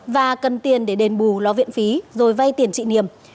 và cần tiền để đền bù ló viện phí rồi vay tiền chị niêm